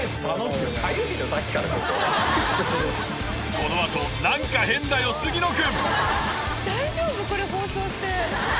このあとなんか変だよ杉野君。